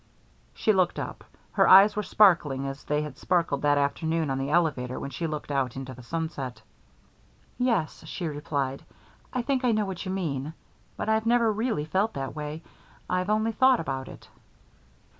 She looked up. Her eyes were sparkling as they had sparkled that afternoon on the elevator when she first looked out into the sunset. "Yes," she replied. "I think I know what you mean. But I never really felt that way; I've only thought about it."